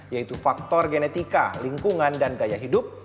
yaitu faktor genetika lingkungan dan gaya hidup